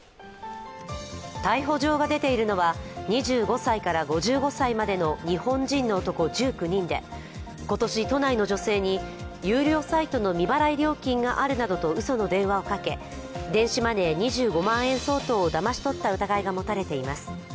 逮捕状が出ているのは、２５歳から５５歳までの日本人の男１９人で今年、都内の女性に有料サイトの未払い料金があるなどとうその電話をかけ、電子マネー２５万円相当をだまし取った疑いが持たれています。